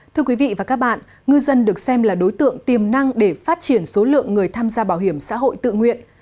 thưa quý vị và các bạn ngư dân được xem là đối tượng tiềm năng để phát triển số lượng người tham gia bảo hiểm xã hội tự nguyện